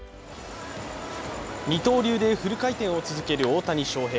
二刀流でフル回転を続ける大谷翔平。